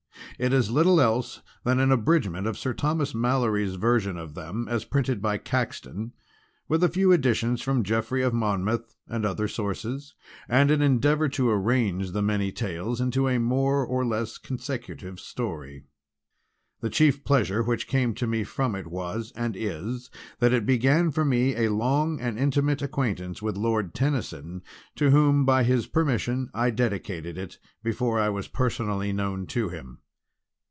It is little else than an abridgment of Sir Thomas Malory's version of them as printed by Caxton with a few additions from Geoffrey of Monmouth and other sources and an endeavour to arrange the many tales into a more or less consecutive story. The chief pleasure which came to me from it was, and is, that it began for me a long and intimate acquaintance with Lord Tennyson, to whom, by his permission, I Dedicated it before I was personally known to him.